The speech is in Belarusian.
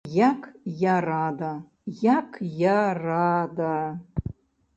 Як я рада, як я рада!